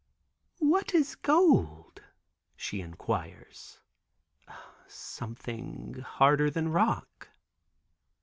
"What is gold?" she inquires. "Something harder than rock."